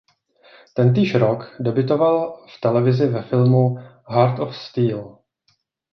Tentýž rok debutoval v televizi ve filmu "Heart of Steel".